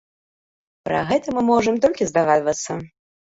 Пра гэта мы можам толькі здагадвацца.